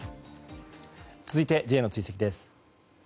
続いてＪの追跡です。